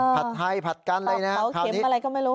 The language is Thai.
ผัดไทยผัดกันอะไรนะเผาเข็มอะไรก็ไม่รู้